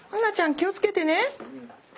気をつけてね。